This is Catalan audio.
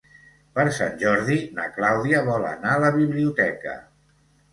Per Sant Jordi na Clàudia vol anar a la biblioteca.